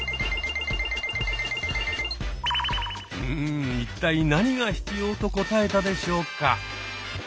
うん一体何が必要と答えたでしょうか？